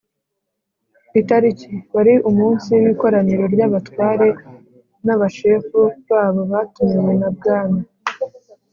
Itariki: wari umunsi w'Ikoraniro ry'Abatware n'Abashefu babo batumiwe na Bwana